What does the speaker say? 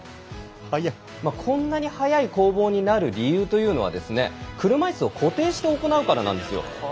こんなに速い攻防になる理由というのが車いすを固定して行うからなんですよ。